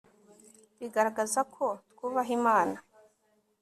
bigaragaza ko twubaha imana